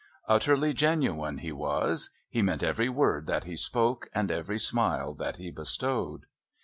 Utterly genuine he was; he meant every word that he spoke and every smile that he bestowed.